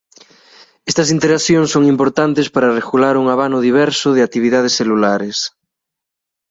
Estas interaccións son importantes para regular un abano diverso de actividades celulares.